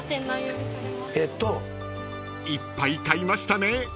［いっぱい買いましたね